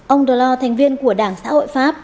ông delors thành viên của đảng xã hội pháp